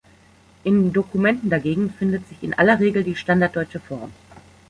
In Dokumenten dagegen findet sich in aller Regel die standarddeutsche Form.